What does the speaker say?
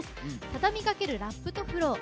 畳みかけるラップとフロー。